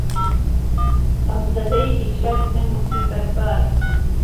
غهم زهدهی هیجرهت، من موسیبهتبارم